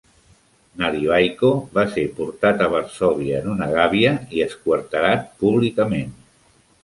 Nalivaiko va ser portat a Varsòvia en una gàbia i esquarterat públicament.